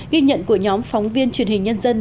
ghi nhận của nhóm phóng viên truyền hình nhân dân